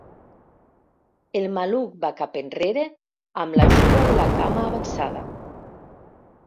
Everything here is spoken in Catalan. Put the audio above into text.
El maluc va cap enrere amb l'ajuda de la cama avançada.